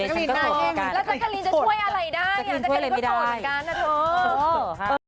แล้วแจ๊กาลีนจะช่วยอะไรได้แจ๊กาลีนก็โสดเหมือนกันนะโทษ